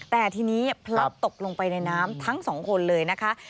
แต่ทีนี้พลัดตกลงไปในน้ำทั้งสองคนเลยนะคะ